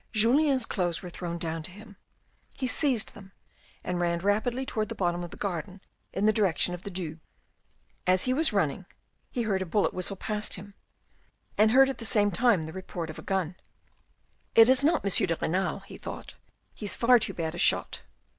Julien's clothes were thrown down to him ; he seized them and ran rapidly towards the bottom of the garden in the direction of the Doubs. 234 THE RED AND THE BLACK As he was running he heard a bullet whistle past him, and heard at the same time the report of a gun. " It is not M. de Renal," he thought, " he's far too bad a shot."